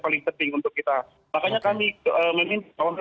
paling penting untuk kita makanya kami meminta kawan kawan